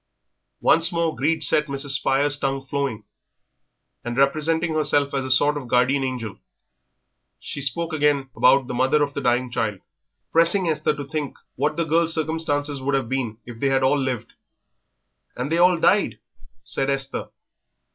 Once more greed set Mrs. Spires' tongue flowing, and, representing herself as a sort of guardian angel, she spoke again about the mother of the dying child, pressing Esther to think what the girl's circumstances would have been if they had all lived. "And they all died?" said Esther.